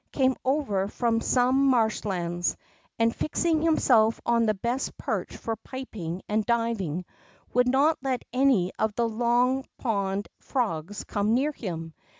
" came over from some marsh lands, and, fixing himself on the best perch for piping and diving, would not let any of the Long Pond frogs come near him.